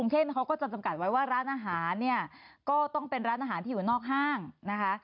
เช่นเขาก็จำกัดไว้ว่าร้านอาหารเนี่ยก็ต้องเป็นร้านอาหารที่อยู่นอกห้างนะคะ